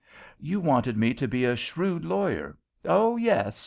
You wanted me to be a shrewd lawyer oh, yes!